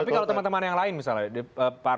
tapi kalau teman teman yang lain misalnya ya